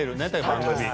番組。